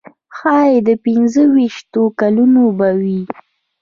ښایي د پنځه ویشتو کلونو به وي.